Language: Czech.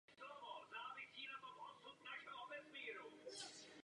Nyní ale musíme zhodnotit dosažené výsledky a pokračovat stejným směrem.